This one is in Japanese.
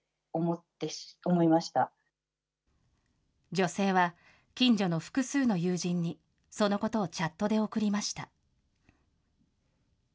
女性は、近所の複数の友人にそのことをチャットで送りました。